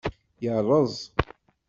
Yerreẓ.